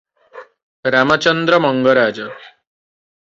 Ramachandra Mangaraj.